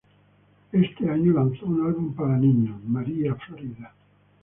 Ese año lanzó un álbum para niños, "María Florida".